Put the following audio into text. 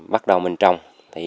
bắt đầu mình trông